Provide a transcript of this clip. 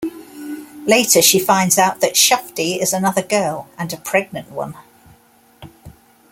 Later, she finds out that Shufti is another girl, and a pregnant one.